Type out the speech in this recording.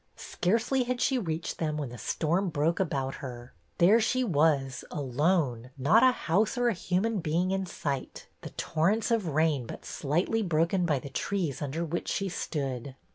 Scarcely had she reached them when the storm broke about her. There she was, alone, not a house or a human being in sight, the torrents of rain but slightly broken by the trees under which she stood.